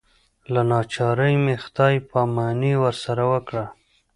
له ناچارۍ مې خدای پاماني ورسره وکړه.